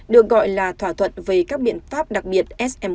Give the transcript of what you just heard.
được gọi là thỏa thuận về các biện pháp đặc biệt sm